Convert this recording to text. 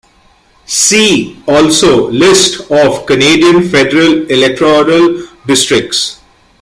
See also List of Canadian federal electoral districts.